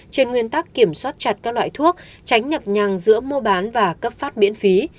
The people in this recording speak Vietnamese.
trên nguyên tắc kiểm soát chặt các loại thuốc tránh nhập nhằng giữa mua bán và cấp phát miễn phí